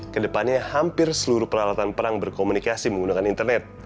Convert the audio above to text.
kedepannya hampir seluruh peralatan perang berkomunikasi menggunakan internet